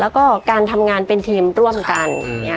แล้วก็การทำงานเป็นทีมร่วมกัน